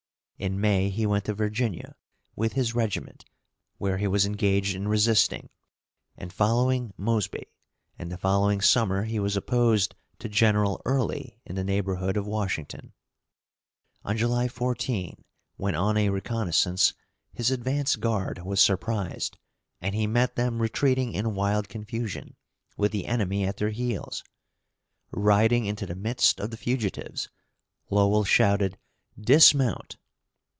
In May, he went to Virginia with his regiment, where he was engaged in resisting and following Mosby, and the following summer he was opposed to General Early in the neighborhood of Washington. On July 14, when on a reconnoissance his advance guard was surprised, and he met them retreating in wild confusion, with the enemy at their heels. Riding into the midst of the fugitives, Lowell shouted, "Dismount!"